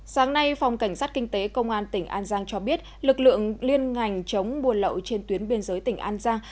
sáng nay phòng cảnh sát kinh tế công an tỉnh an giang cho biết lực lượng liên ngành chống buôn lậu trên tuyến biên giới tỉnh an giang